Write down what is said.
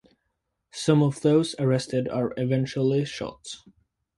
Some of those arrested are eventually shot.